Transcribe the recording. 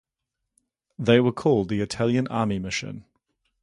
They were called the Italian Army Mission.